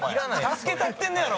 助けたってんねんやろ！